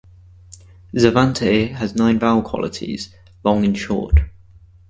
Xavante has nine vowel qualities, long and short.